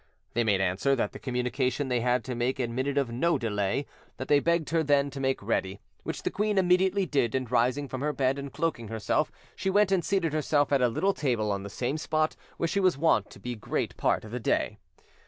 They made answer that the communication they had to make admitted of no delay, that they begged her then to make ready; which the queen immediately did, and rising from her bed and cloaking herself, she went and seated herself at a little table, on the same spot where she was wont to be great part of the day.